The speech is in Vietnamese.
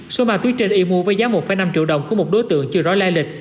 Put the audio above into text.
số ma túy trên y mua với giá một năm triệu đồng của một đối tượng chưa rõ lai lịch